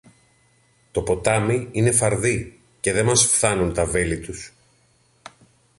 Το ποτάμι είναι φαρδύ και δε μας φθάνουν τα βέλη τους.